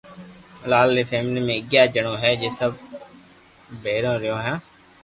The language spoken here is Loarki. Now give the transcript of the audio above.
لال ري فيملي مي اگياري جڻو ھي سب بآيرو رھيو ھون